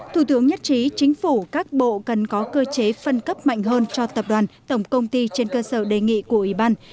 thủ tướng nhất trí chính phủ các bộ cần có cơ chế phân cấp mạnh hơn cho tập đoàn tổng công ty trên cơ sở đề nghị của ủy ban